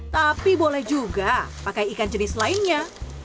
tapi boleh juga pakai ikan jenis lainnya